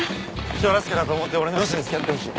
人助けだと思って俺の嘘に付き合ってほしい。